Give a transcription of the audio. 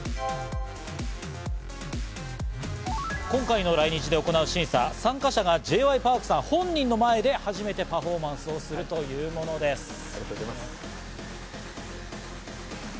今回の来日で行う審査、参加者はＪ．Ｙ．Ｐａｒｋさん本人の前で初めてパフォーマンスするというものです。